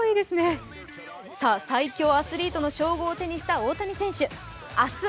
最強アスリートの称号を手にした大谷選手。